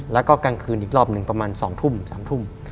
แล้วก็กลางคืนอีกรอบหนึ่งประมาณ๒ทุ่ม๓ทุ่ม